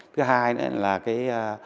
thứ hai nữa là cái